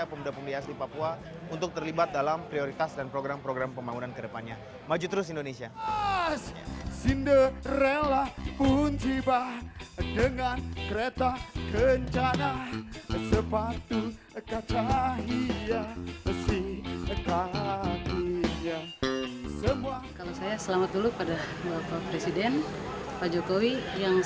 pak jokowi tetap melaksanakan program program yang telah ia janjikan